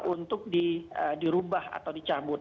untuk dirubah atau dicabut